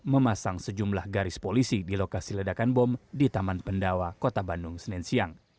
memasang sejumlah garis polisi di lokasi ledakan bom di taman pendawa kota bandung senin siang